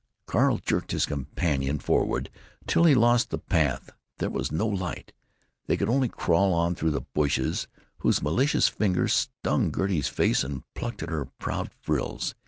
Carl jerked his companion forward till he lost the path. There was no light. They could only crawl on through the bushes, whose malicious fingers stung Gertie's face and plucked at her proud frills.